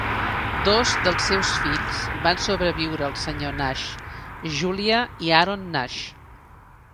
Dos dels seus fills van sobreviure el Sr. Nash: Julia i Aaron Nash.